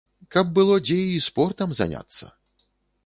Каб было дзе і спортам заняцца.